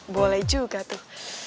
boleh juga tuh